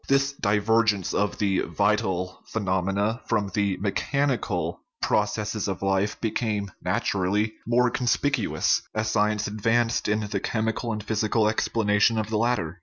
This divergence of the vital phenomena from the mechanical processes of life became, naturally, more conspicuous as science advanced in the chemical and physical ex planation of the latter.